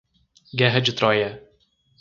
Guerra de Troia